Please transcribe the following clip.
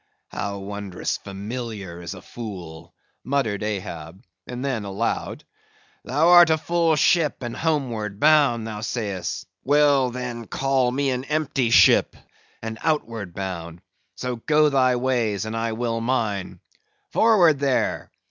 "How wondrous familiar is a fool!" muttered Ahab; then aloud, "Thou art a full ship and homeward bound, thou sayst; well, then, call me an empty ship, and outward bound. So go thy ways, and I will mine. Forward there!